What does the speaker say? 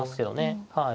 はい。